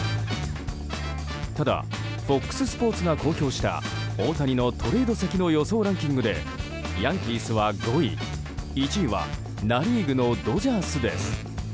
ただＦＯＸスポーツが公表した大谷のトレード先の予想ランキングでヤンキースは５位１位はナ・リーグのドジャースです。